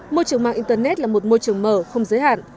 môi trường mạng internet là một môi trường mở không giới hạn